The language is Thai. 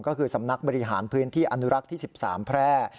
ก็คือสำนักบริหารพื้นที่อนุรักษ์ที่๑๓แพร่